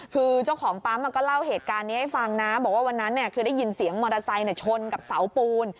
คือเจ้าของปั๊มก็เล่าเหตุการณ์นี้ให้ฟังนะบอกว่าวันนั้นคือได้ยินเสียงมอเตอร์ไซค์ชนกับเสาปูน